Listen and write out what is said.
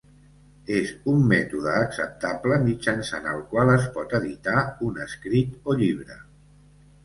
És un mètode acceptable mitjançant el qual es pot editar un escrit o llibre.